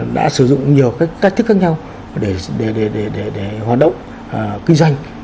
đã sử dụng nhiều cách thức khác nhau để hoạt động kinh doanh